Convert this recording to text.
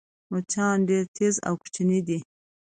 مچان ډېر تېز او کوچني دي